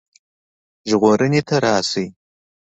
ژغورني ته راشي.